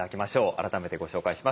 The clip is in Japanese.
改めてご紹介します。